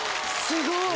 すごい！